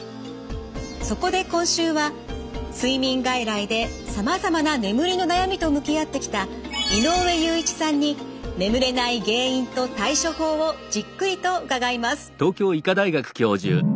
そこで今週は睡眠外来でさまざまな眠りの悩みと向き合ってきた井上雄一さんに眠れない原因と対処法をじっくりと伺います。